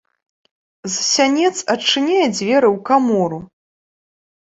З сянец адчыняе дзверы ў камору.